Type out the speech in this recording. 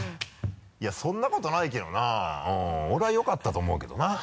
「いやそんなことないけどな俺はよかったと思うけどな」